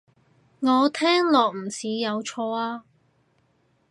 我聽落唔似有錯啊